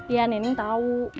iya nenek tau